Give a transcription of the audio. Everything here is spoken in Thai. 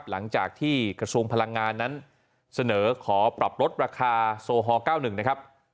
หลังจากที่กระทรวงพลังงานนั้นเสนอขอปรับลดราคาโซฮอล๙๑นะครับ